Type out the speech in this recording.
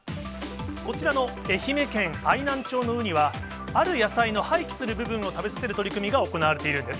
こちらの愛媛県愛南町のウニは、ある野菜の廃棄する部分を食べさせる取り組みが行われているんです。